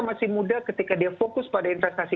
masih muda ketika dia fokus pada investasi